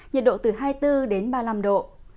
nhiệt độ từ hai mươi bốn đến ba mươi năm độ